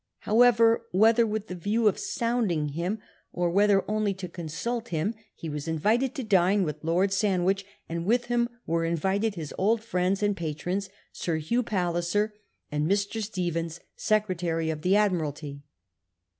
However, whether with the view of sounding him or whether only to consult him, he was invited to dine with Tiord Sandwich, and with him were invited his old friends and patrons, Sir Hugh Palliser and Mr. Stephens, Sccretiiry of the Admiralty.